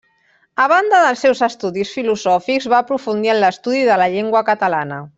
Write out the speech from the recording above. A banda dels seus estudis filosòfics va aprofundir en l'estudi de la llengua catalana.